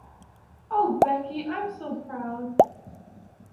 Oh, Becky I’m so proud!